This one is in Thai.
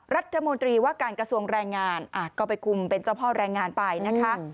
รัฐมนตรีว่าการกระทรวงแรงงานก็ไปคุมเป็นเจ้าพ่อแรงงานไปนะคะ